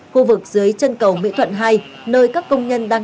khu vực dưới chân cầu mỹ thuận hai